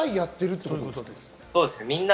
そうですね。